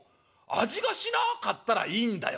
「味がしなかったらいいんだよ。